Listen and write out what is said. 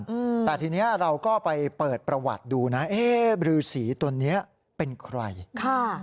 อืมแต่ทีเนี้ยเราก็ไปเปิดประวัติดูนะเอ๊ะบรือสีตัวเนี้ยเป็นใครค่ะ